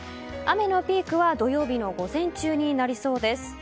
雨のピークは土曜日の午前中になりそうです。